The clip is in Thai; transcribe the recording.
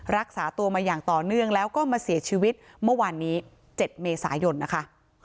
รักษาตัวมาอย่างต่อเนื่องแล้วก็มาเสียชีวิตเมื่อวานนี้๗เมษายนนะคะ